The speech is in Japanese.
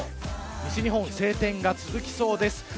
西日本、晴天が続きそうです。